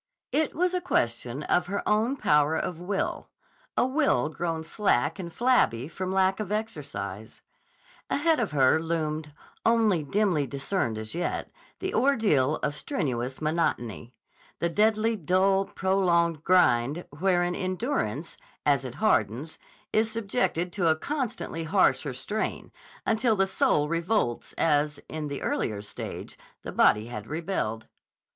It was a question of her own power of will, a will grown slack and flabby from lack of exercise. Ahead of her loomed, only dimly discerned as yet, the ordeal of strenuous monotony; the deadly dull, prolonged grind wherein endurance, as it hardens, is subjected to a constantly harsher strain, until the soul revolts as, in the earlier stage, the body had rebelled.